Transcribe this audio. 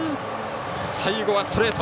最後はストレート。